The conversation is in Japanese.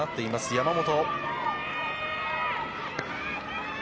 山本。